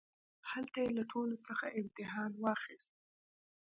هلته يې له ټولوڅخه امتحان واخيست.